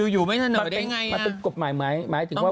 อยู่ไม่เสนอได้ไงนะมันเป็นกฎหมายไหมหมายถึงว่า